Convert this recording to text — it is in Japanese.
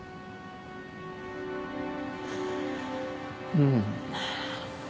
うん。